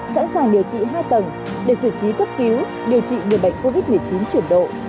sẵn sàng điều trị hai tầng để giải trí cấp cứu điều trị người bệnh covid một mươi chín chuyển độ